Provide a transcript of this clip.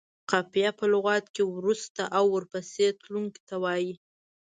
قافیه په لغت کې وروسته او ورپسې تلونکي ته وايي.